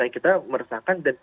kita meresahkan dan